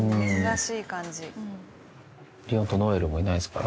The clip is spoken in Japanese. リオンとノエルもいないですから。